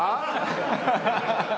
ハハハハ！